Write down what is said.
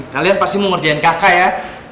kalian pasti mau ngerjain kakak ya